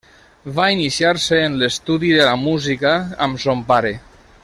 Va iniciar-se en l'estudi de la música amb son pare.